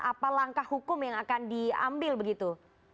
apa langkah hukum yang akan diambil begitu